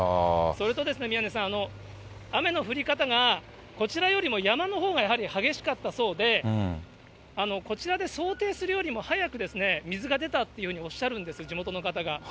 それと宮根さん、雨の降り方が、こちらよりも山のほうがやはり激しかったそうで、こちらで想定するよりも早く水が出たっていうふうにおっしゃるんです、地元の方が。